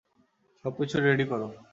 সবকিছু রেডি কর।